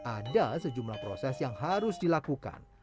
ada sejumlah proses yang harus dilakukan